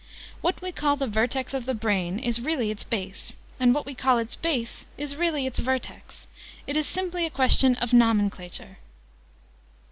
"What we call the vertex of the Brain is really its base: and what we call its base is really its vertex: it is simply a question of nomenclature."